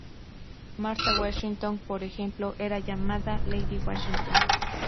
Martha Washington, por ejemplo, era llamada "Lady Washington".